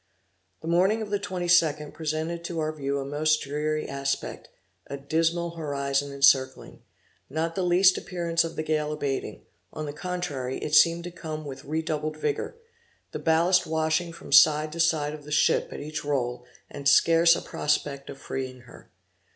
The morning of the 22d presented to our view a most dreary aspect, a dismal horizon encircling not the least appearance of the gale abating on the contrary, it seemed to come with redoubled vigor the ballast washing from side to side of the ship at each roll, and scarce a prospect of freeing her.